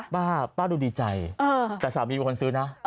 ป้าดูดีใจแต่สามีเป็นคนซื้อนะ